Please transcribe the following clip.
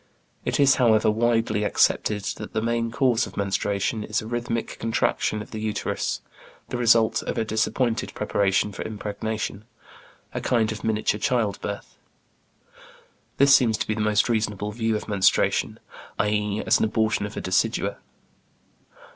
It is, however, widely accepted that the main cause of menstruation is a rhythmic contraction of the uterus, the result of a disappointed preparation for impregnation, a kind of miniature childbirth. This seems to be the most reasonable view of menstruation; i.e., as an abortion of a decidua.